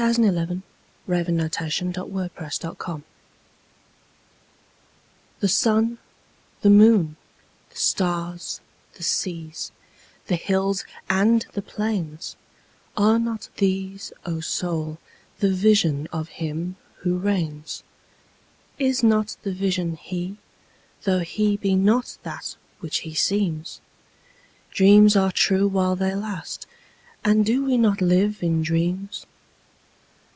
Alfred, Lord Tennyson (1809–1892) 93. The Higher Pantheism THE SUN, the moon, the stars, the seas, the hills and the plains—Are not these, O Soul, the Vision of Him who reigns? Is not the Vision He? tho' He be not that which He seems? Dreams are true while they last, and do we not live in dreams?